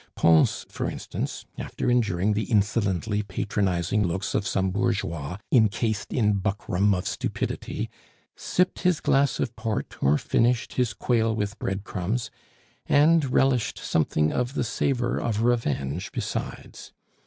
Pons, for instance, after enduring the insolently patronizing looks of some bourgeois, incased in buckram of stupidity, sipped his glass of port or finished his quail with breadcrumbs, and relished something of the savor of revenge, besides.